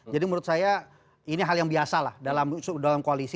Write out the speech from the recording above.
jadi menurut saya ini hal yang biasa lah dalam koalisi